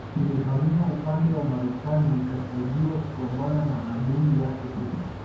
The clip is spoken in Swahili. Ilihamia upande wa Marekani ikasaidiwa kupambana na adui yake huyo